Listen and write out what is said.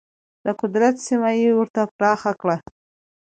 د قدرت سیمه یې ورته پراخه کړه.